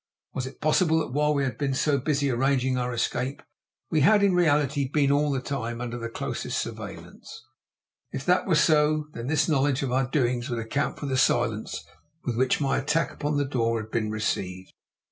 Was it possible that while we had been so busy arranging our escape we had in reality been all the time under the closest surveillance? If that were so, then this knowledge of our doings would account for the silence with which my attack upon the door had been received.